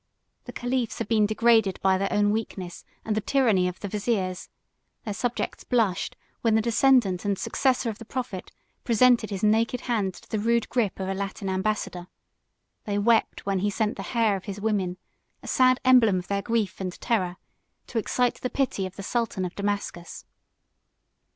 The caliphs had been degraded by their own weakness and the tyranny of the viziers: their subjects blushed, when the descendant and successor of the prophet presented his naked hand to the rude gripe of a Latin ambassador; they wept when he sent the hair of his women, a sad emblem of their grief and terror, to excite the pity of the sultan of Damascus.